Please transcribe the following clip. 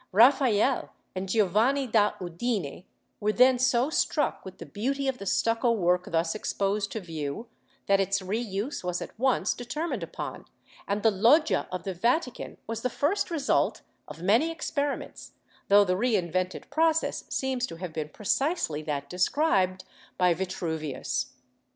Raphael and Giovanni da Udine were then so struck with the beauty of the stucco work thus exposed to view that its re use was at once determined upon, and the Loggia of the Vatican was the first result of many experiments, though the re invented process seems to have been precisely that described by Vitruvius.